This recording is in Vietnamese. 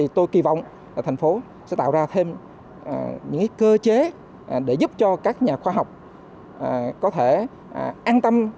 tôi kỳ vọng thành phố sẽ tạo ra thêm những cơ chế để giúp cho các nhà khoa học có thể an tâm